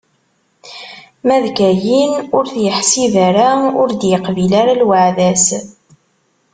Ma d Kayin, ur t-iḥsib ara, ur d-iqbil ara lweɛda-s.